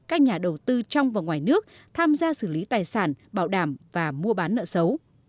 các nhà đầu tư trong và ngoài nước tham gia xử lý tài sản bảo đảm và mua bán nợ xấu